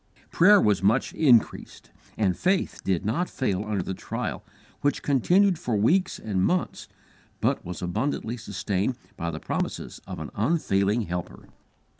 Prayer was much increased, and faith did not fail under the trial, which continued for weeks and months, but was abundantly sustained by the promises of an unfailing Helper.